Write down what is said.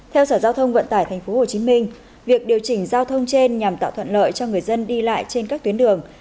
theo sở giao thông vận tải tp hcm việc điều chỉnh giao thông trên nhằm tạo thuận lợi cho người dân đi lại trên các tuyến đường